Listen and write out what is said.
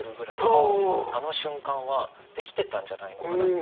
あの瞬間はできてたんじゃないのかなって。